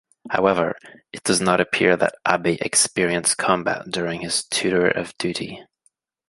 However, it does not appear that Abe experienced combat during his tour of duty.